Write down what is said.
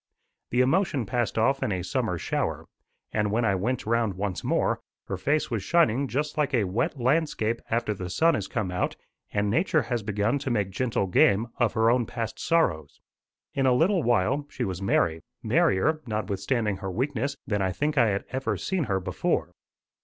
The emotion passed off in a summer shower, and when I went round once more, her face was shining just like a wet landscape after the sun has come out and Nature has begun to make gentle game of her own past sorrows. In a little while, she was merry merrier, notwithstanding her weakness, than I think I had ever seen her before.